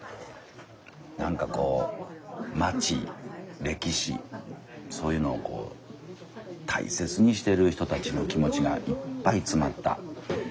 何かこう町歴史そういうのを大切にしている人たちの気持ちがいっぱい詰まった茶粥。